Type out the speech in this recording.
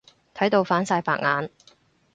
睇到反晒白眼。